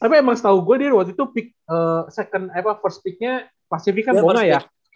tapi emang setau gue dia waktu itu first picknya pasifik kan bonga ya